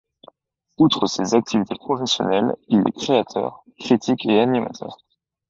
Outre ses activités professionnelles, il est créateur, critique et animateur.